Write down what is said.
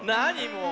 もう。